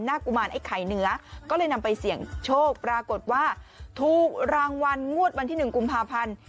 กุมารไอ้ไข่เหนือก็เลยนำไปเสี่ยงโชคปรากฏว่าถูกรางวัลงวดวันที่๑กุมภาพันธ์